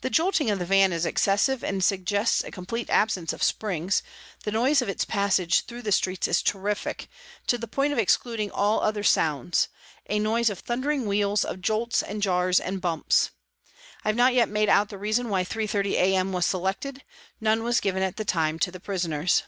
The jolting of the van is excessive and suggests a complete absence of springs, the noise of its passage through the streets is terrific, to the point of excluding all other sounds a noise of thundering wheels, of jolts and jars and bumps. I have not yet made out the reason why 3.30 a.m. was selected, none was given at the time to the prisoners.